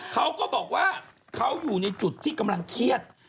เค้าบอกว่าอยู่ในจุดที่กำลังเทียด